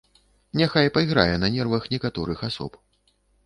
Няхай пайграе на нервах некаторых асоб.